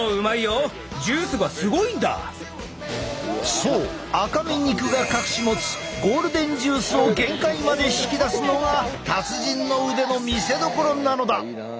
そう赤身肉が隠し持つゴールデンジュースを限界まで引き出すのが達人の腕の見せどころなのだ！